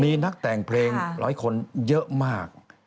มีนักแต่งเพลงร้อยคนเยอะมาก